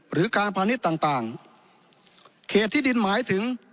หรือการพาณิชย์ต่างต่างเขตที่ดินหมายถึง